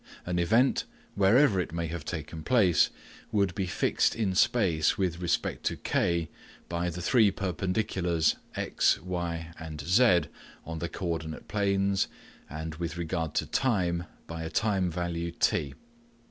An event, wherever it may have taken place, would be fixed in space with respect to K by the three perpendiculars x, y, z on the co ordinate planes, and with regard to time by a time value t.